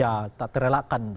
ya tak terelakkan